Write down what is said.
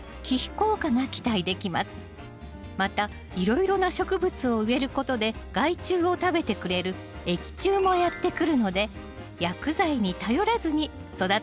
またいろいろな植物を植えることで害虫を食べてくれる益虫もやって来るのでが集まる。